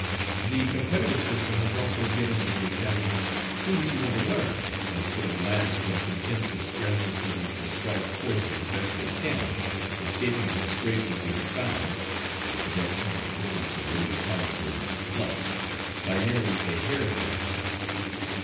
The competitive system has also given to the Academy students who want to learn, instead of lads who are content to scramble through the prescribed course as best they can, escaping the disgrace of being "found" (a cadet term equivalent to the old college word "plucked") by nearly a hair's breadth.